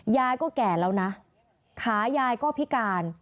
ยายก็แก่แล้วนะขายายก็พิการ